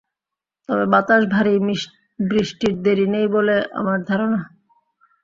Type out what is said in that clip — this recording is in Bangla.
তবে বাতাস ভারি, বৃষ্টির দেরি নেই বলে আমার ধারণা।